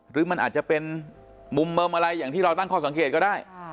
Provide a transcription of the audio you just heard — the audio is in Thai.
หรือมันอาจจะเป็นมุมเมิมอะไรอย่างที่เราตั้งข้อสังเกตก็ได้